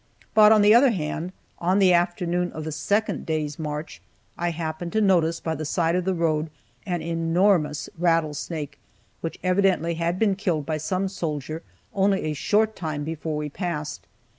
But, on the other hand, on the afternoon of the second day's march, I happened to notice by the side of the road an enormous rattlesnake, which evidently had been killed by some soldier only a short time before we passed.